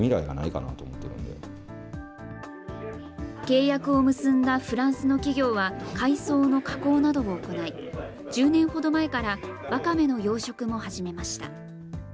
契約を結んだフランスの企業は、海藻の加工などを行い、１０年ほど前から、わかめの養殖も始めました。